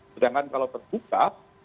sedangkan kalau terbuka